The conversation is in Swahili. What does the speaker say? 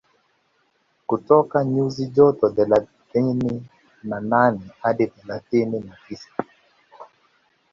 kutoka nyuzi joto thelathini na nane hadi thelathini na tisa